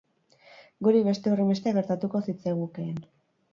Guri beste horrenbeste gertatuko zitzaigukeen.